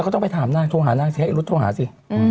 ก็ต้องไปถามน่าโทรหาน่าแค่ให้รถโทรหาสิ